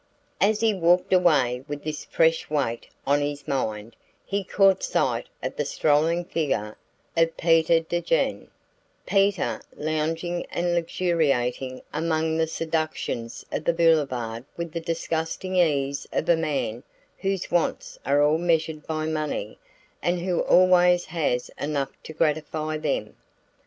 As he walked away with this fresh weight on his mind he caught sight of the strolling figure of Peter Van Degen Peter lounging and luxuriating among the seductions of the Boulevard with the disgusting ease of a man whose wants are all measured by money, and who always has enough to gratify them.